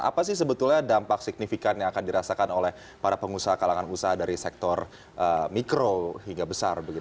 apa sih sebetulnya dampak signifikan yang akan dirasakan oleh para pengusaha kalangan usaha dari sektor mikro hingga besar